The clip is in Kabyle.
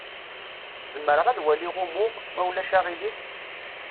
Zemreɣ ad waliɣ umuɣ, ma ulac aɣilif?